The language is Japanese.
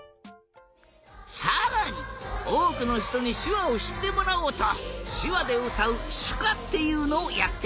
さらにおおくのひとにしゅわをしってもらおうとしゅわでうたうしゅかっていうのをやっているんだ。